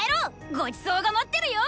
ごちそうが待ってるよー。